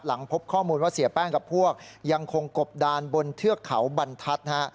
พบข้อมูลว่าเสียแป้งกับพวกยังคงกบดานบนเทือกเขาบรรทัศน์